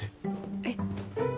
えっ？